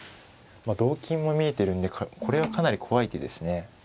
同金も見えてるんでこれはかなり怖い手ですね。